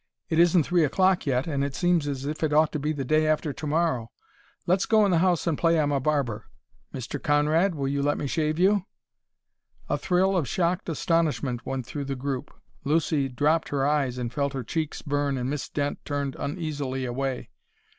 "It isn't three o'clock yet, and it seems as if it ought to be the day after to morrow. Let's go in the house and play I'm a barber. Mr. Conrad, will you let me shave you?" A thrill of shocked astonishment went through the group. Lucy dropped her eyes and felt her cheeks burn and Miss Dent turned uneasily away.